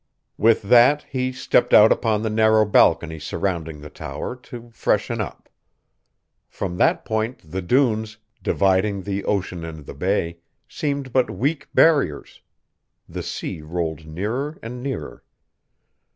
With that he stepped out upon the narrow balcony surrounding the tower, to "freshen up." From that point the dunes, dividing the ocean and the bay, seemed but weak barriers. The sea rolled nearer and nearer.